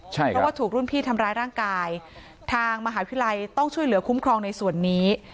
เพราะว่าถูกรุ่นพี่ทำร้ายร่างกายทางมหาวิทยาลัยต้องช่วยเหลือคุ้มครองในส่วนนี้